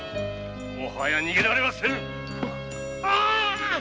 もはや逃げられはせぬ！